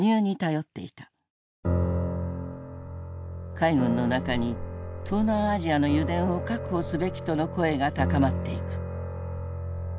海軍の中に東南アジアの油田を確保すべきとの声が高まっていく。